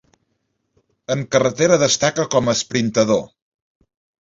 En carretera destaca com a esprintador.